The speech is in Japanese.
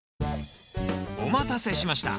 お待たせしました！